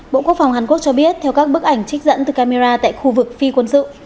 bộ quốc phòng hàn quốc cho biết theo các bức ảnh trích dẫn từ camera tại khu vực phi quân sự